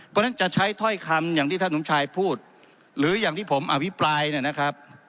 เพราะฉะนั้นจะใช้ถ้อยคำอย่างที่ท่านสมชายพูดหรืออย่างที่ผมอภิปรายนะครับ